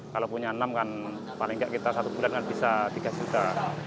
kalau punya enam kan paling tidak kita satu bulan kan bisa tiga juta